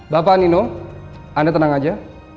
bapak nino anda tenang aja